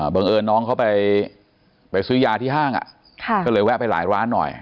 บังเอิญน้องเขาไปซื้อยาที่ห้างก็เลยแวะไปหลายร้านหน่อย